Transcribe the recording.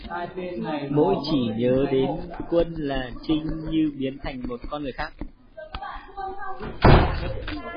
Mỗi chỉ nhớ đến quân là trinh như biến thành một con người khác